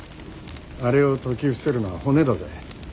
あれを説き伏せるのは骨だぜ。